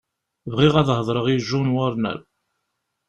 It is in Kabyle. Bɣiɣ ad hedreɣ i John Warner.